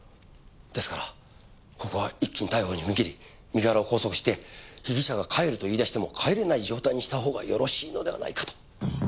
ですからここは一気に逮捕に踏み切り身柄を拘束して被疑者が帰ると言い出しても帰れない状態にしたほうがよろしいのではないかと。